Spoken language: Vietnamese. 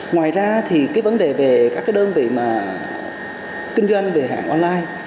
ngoài ra thì cái vấn đề về các đơn vị kinh doanh về hàng online